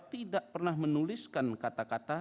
tidak pernah menuliskan kata kata